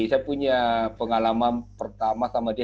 saya punya pengalaman pertama sama dia